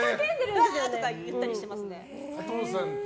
うわー！とか言ったりしてますね。